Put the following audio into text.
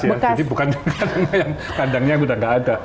jadi bukan kandangnya sudah nggak ada